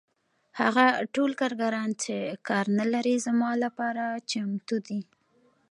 هغه ټول کارګران چې کار نلري زما لپاره چمتو دي